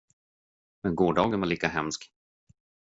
Men gårdagen var lika hemsk.